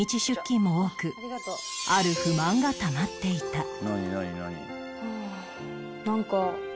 出勤も多くある不満がたまっていた